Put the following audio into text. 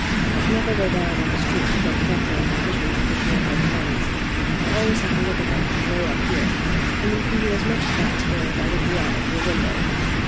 I can never go down in the street to look carefully at the pigeons picking up their crumbs. I^always have to look at them from away up here, and you can do as much as that to day by looking out of your window.